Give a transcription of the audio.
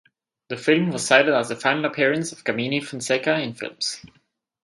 The film was cited as the final appearance of Gamini Fonseka in films.